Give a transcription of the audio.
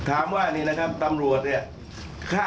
ปฏิตามภาพบังชั่วมังตอนของเหตุการณ์ที่เกิดขึ้นในวันนี้พร้อมกันครับ